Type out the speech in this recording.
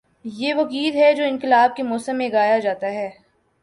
یہ وہ گیت ہے جو انقلاب کے موسم میں گایا جاتا ہے۔